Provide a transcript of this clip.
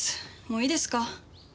もういいですか？